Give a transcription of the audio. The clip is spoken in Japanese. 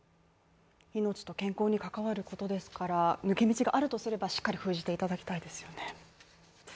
命と健康に関わることですから、抜け道があるとすればしっかり封じていただきたいですよね。